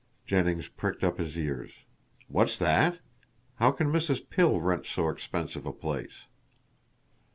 Jennings pricked up his ears. "What's that? How can Mrs. Pill rent so expensive a place."